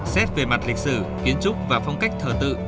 xét về mặt lịch sử kiến trúc và phong cách thờ tự